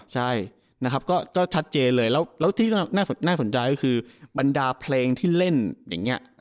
ใช่นะครับก็ชัดเจนเลย